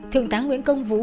thường tá nguyễn công vũ